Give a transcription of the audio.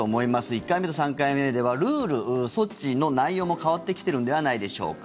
１回目と、３回目ではルール、措置の内容も変わってきているんではないでしょうか。